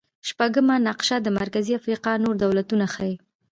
شپږمه نقشه د مرکزي افریقا نور دولتونه ښيي.